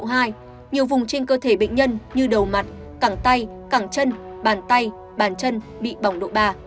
nhiều vùng trên cơ thể bệnh nhân như đầu mặt cẳng tay cẳng chân bàn tay bàn chân bị bỏng độ ba